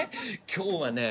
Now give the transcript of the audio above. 今日はね。